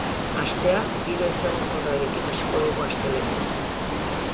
Astea giro ezegonkorrarekin hasiko dugu astelehenean.